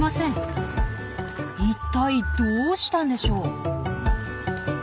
いったいどうしたんでしょう？